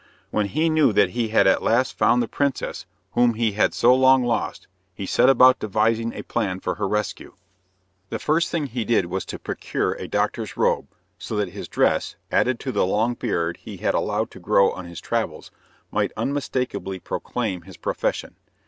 When he knew that he had at last found the princess whom he had so long lost, he set about devising a plan for her rescue. The first thing he did was to procure a doctor's robe, so that his dress, added to the long beard he had allowed to grow on his travels, might unmistakably proclaim his profession.